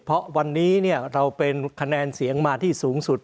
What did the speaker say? เพราะวันนี้เราเป็นคะแนนเสียงมาที่สูงสุด